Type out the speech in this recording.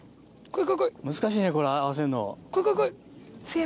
難しいねこれ合わせるの。